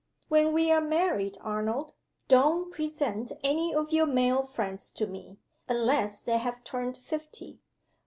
When we are married, Arnold, don't present any of your male friends to me, unless they have turned fifty.